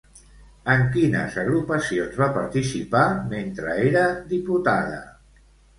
En quines agrupacions va participar mentre era diputada?